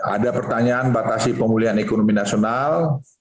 ada pertanyaan batasi pemulihan ekonomi nasional